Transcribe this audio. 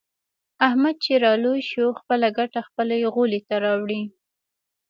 احمد چې را لوی شو. خپله ګټه خپل غولي ته راوړي.